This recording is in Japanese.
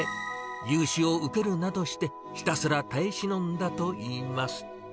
融資を受けるなどして、ひたすら耐え忍んだといいます。